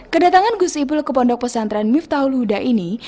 kedatangan gus ipul ke pondok pesantren miftahul huda ini